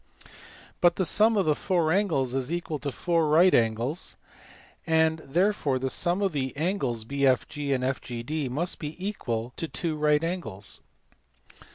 But the sum of the four angles is equal to four right angles, and therefore the sum of the angles BFG and FGD must be equal to two right angles.